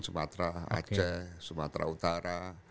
sumatra aceh sumatra utara